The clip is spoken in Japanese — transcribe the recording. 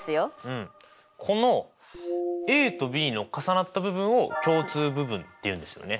うんこのＡとＢの重なった部分を共通部分って言うんですよね。